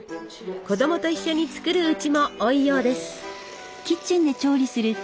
子供と一緒に作るうちも多いようです。